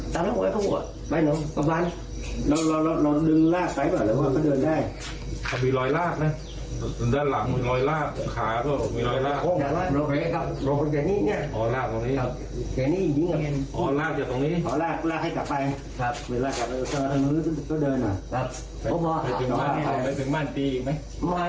สไปถึงมั่นตีอีกมั้ย